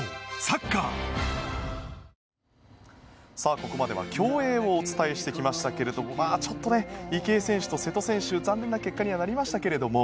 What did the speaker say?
ここまでは競泳をお伝えしてきましたがちょっと池江選手と瀬戸選手残念な結果にはなりましたけれども。